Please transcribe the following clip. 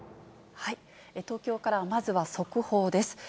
東京からはまずは速報です。